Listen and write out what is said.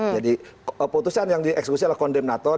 jadi putusan yang dieksekusi adalah kondimnator